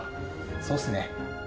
そうですね。